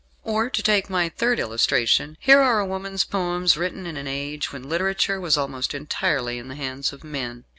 Or, to take my third illustration, here are a woman's poems written in an age when literature was almost entirely in the hands of men.